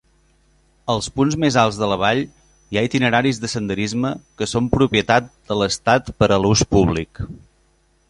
Als punts més alts de la vall hi ha itineraris de senderisme que són propietat de l'estat per a l'ús públic.